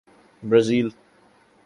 Brazil